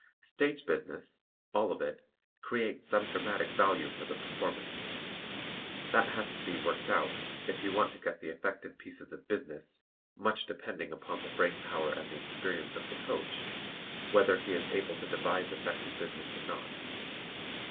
Stage business all of it creates some dramatic value for the performance. That has to be worked out, if you want to get effective pieces of "business," much depending upon the brain power and the experience of the coach, whether he is able to devise effective business or not.